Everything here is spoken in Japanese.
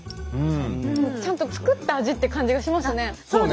ちゃんと作った味って感じがしますね。